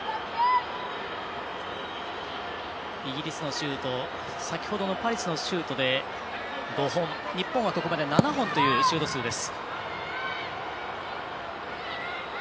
イギリスのシュートは先ほどのパリスのシュートで５本、日本はここまで７本というシュート数です。